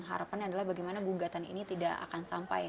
harapannya adalah bagaimana gugatan ini tidak akan sampai